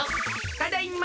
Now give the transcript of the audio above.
ただいま。